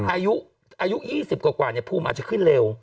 อายุ๒๐กว่าเนี่ยผู้มันอาจจะขึ้นเร็ว